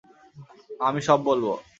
আমি সব বলব।